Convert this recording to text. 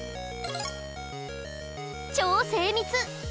超精密！